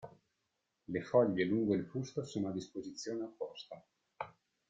Le foglie lungo il fusto sono a disposizione opposta.